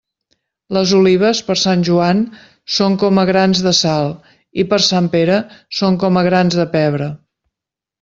Les olives, per Sant Joan, són com a grans de sal; i per Sant Pere són com a grans de pebre.